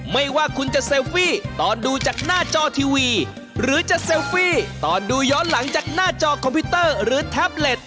ไม่ว่าคุณจะเซลฟี่ตอนดูจากหน้าจอทีวีหรือจะเซลฟี่ตอนดูย้อนหลังจากหน้าจอคอมพิวเตอร์หรือแท็บเล็ต